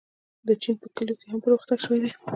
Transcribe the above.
د چین په کلیو کې هم پرمختګ شوی دی.